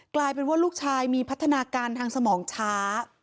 กลายเป็นว่าลูกชายมีพัฒนาการทางสมองช้า